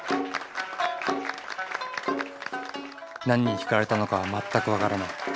何に引かれたのかは全く分からない